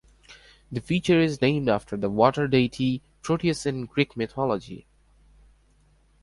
The feature is named after the water deity Proteus in Greek mythology.